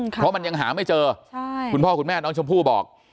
เพราะมันยังหาไม่เจอคุณพ่อคุณแม่น้องชมพู่บอก